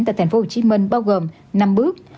tại tp hcm bao gồm năm bước